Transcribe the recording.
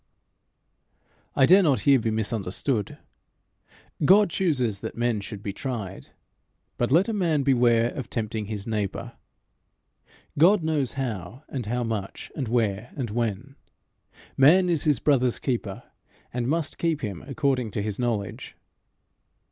I dare not here be misunderstood. God chooses that men should be tried, but let a man beware of tempting his neighbour. God knows how and how much, and where and when: man is his brother's keeper, and must keep him according to his knowledge.